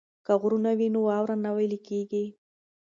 که غرونه وي نو واوره نه ویلی کیږي.